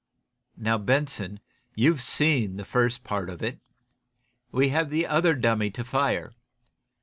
Now, Benson, you've seen the first part of it. We have the other dummy to fire.